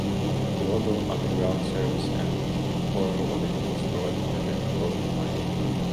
The London Underground service at Harrow-on-the-Hill is provided by the Metropolitan line.